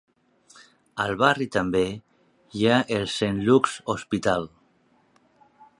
Al barri també hi ha el Saint Luke's Hospital.